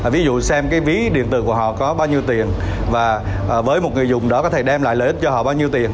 ví dụ xem cái ví điện tử của họ có bao nhiêu tiền và với một người dùng đó có thể đem lại lợi ích cho họ bao nhiêu tiền